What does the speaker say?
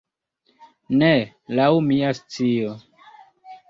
Ne, laŭ mia scio.